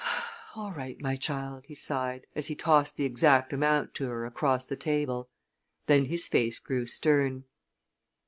"All right, my child," he sighed, as he tossed the exact amount to her across the table. Then his face grew stern.